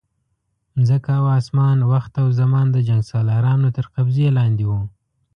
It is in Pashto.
مځکه او اسمان، وخت او زمان د جنګسالارانو تر قبضې لاندې وو.